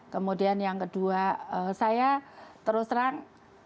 kemudian yang kedua saya terus terang